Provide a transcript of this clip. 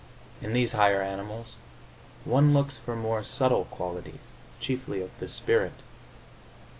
In these higher animals one looks for more subtle qualities, chiefly of the spirit.